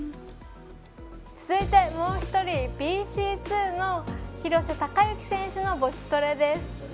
続いて、もう１人ＢＣ２の廣瀬隆喜選手のボチトレです。